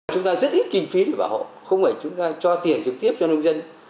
chúng ta rất ít kinh phí để bảo hộ không phải chúng ta cho tiền trực tiếp cho nông dân